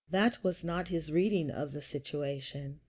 That was not his reading of the situation.